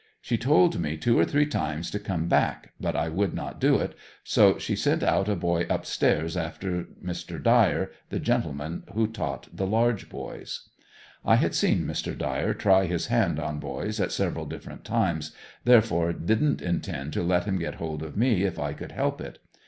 She told me two or three times to come back but I would not do it, so she sent a boy upstairs after Mr. Dyer, the gentleman who taught the large boys. I had seen Mr. Dyer try his hand on boys, at several different times, therefore didn't intend to let him get hold of me if I could help it.